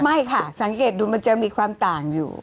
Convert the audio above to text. ไม่ค่ะสังเกตดูมันจะมีความต่างอยู่